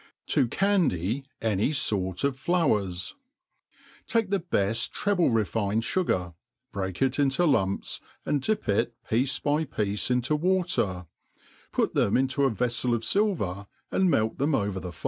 To candy any Sort of Fidwrs. TAKE the btft trcble refincd fugar^ break k into Iximps and 6\ip it piece by piece into water, put tbem into a vcffcl of filver, and mck them over the.